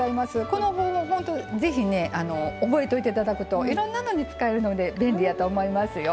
この方法ほんとぜひね覚えといて頂くといろんなのに使えるので便利やと思いますよ。